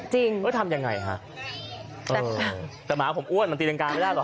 เออทำยังไงฮะแต่หมาผมอ้วนมันตีรังกาไม่ได้หรอ